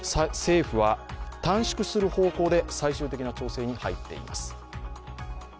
政府は、短縮する方向で最終的な調整に入っています。